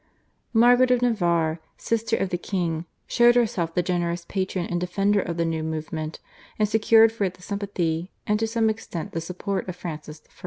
Margaret of Navarre, sister of the king, showed herself the generous patron and defender of the new movement, and secured for it the sympathy and to some extent the support of Francis I.